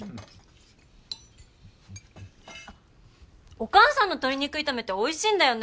お母さんの鶏肉炒めっておいしいんだよね。